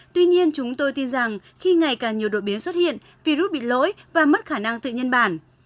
tuy nhiên chúng tôi tin rằng khi ngày càng nhiều đột biến xuất hiện virus bị lỗi và mất khả năng tự nhân bản